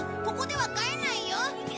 ここでは飼えないよ。